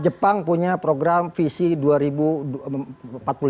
jepang punya program visi dua ribu empat puluh lima